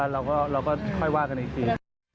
เราก็ค่อยว่ากันอีกที